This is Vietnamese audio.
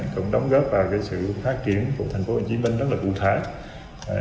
cũng đóng góp vào cái sự phát triển của tp hcm rất là cụ thể